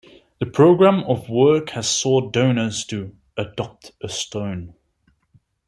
The programme of work has sought donors to "adopt a stone".